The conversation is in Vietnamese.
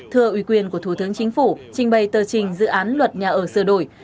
thưa ủy quyền của thủ tướng chính phủ trình bày tờ trình dự án luật nhà ở sơ đổi